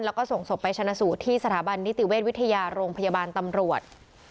แล้วก็ส่งศพไปชนะสูตรที่สถาบันนิติเวชวิทยาโรงพยาบาลตำรวจ